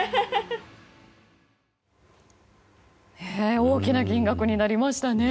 大きな金額になりましたね。